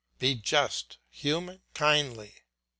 Be just, human, kindly.